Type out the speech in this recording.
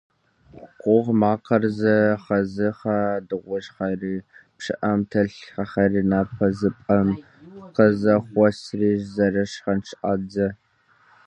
Къугъ макъыр зэхэзыха дыгъужьхэри, пщыӀэм телъ хьэхэри напӀэзыпӀэм къызэхуосри, зэрышхын щӀадзэ.